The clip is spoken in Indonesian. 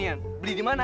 kamu beli di mana